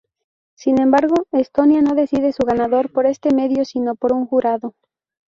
Sin embargo, Estonia no decide su ganador por este medio, sino por un jurado.